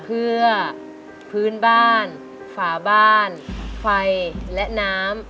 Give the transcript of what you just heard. เพื่อพื้นบ้านฝาบ้านไฟและน้ำ